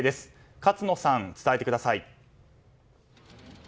勝野さん、伝えてください。